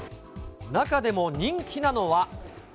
中でも人気なのは。